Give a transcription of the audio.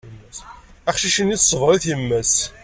Aqcic-nni tṣebber-it yemma-s.